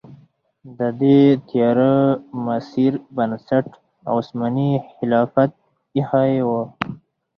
د دې تیاره مسیر بنسټ عثماني خلافت ایښی و.